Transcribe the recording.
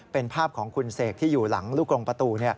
เป็นภาพของคุณเสกที่อยู่หลังลูกลงประตู